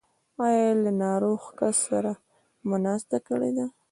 ایا له ناروغ کس سره مو ناسته کړې ده؟